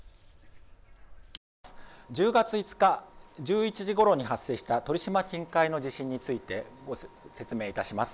１０月５日１１時ごろに発生した鳥島近海の地震について説明いたします。